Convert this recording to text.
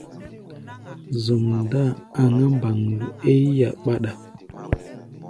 Zɔm-dáa aŋá mbandɔ é yí-a ɓaɗak.